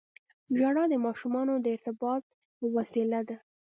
• ژړا د ماشومانو د ارتباط یوه وسیله ده.